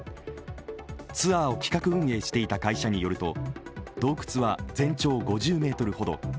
ツアーを企画運営していた会社によると洞窟は全長５０ｍほど。